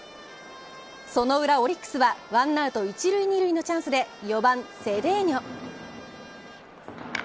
その裏、オリックスは１アウト１塁２塁のチャンスで４番セデーニョ。